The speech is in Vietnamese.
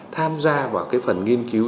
tham gia vào phần nghiên cứu